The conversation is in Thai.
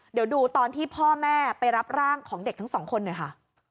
เดี๋ยวดูตอนที่พ่อแม่ไปรับร่างของเด็กทั้งสองคนหน่อยค่ะ